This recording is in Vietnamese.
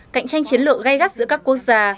cạnh tranh chiến lược gây gắt giữa các quốc gia